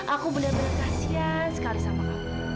aku benar benar kasihan sekali sama kamu